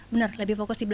benar lebih fokus